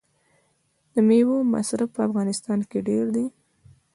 د میوو مصرف په افغانستان کې ډیر دی.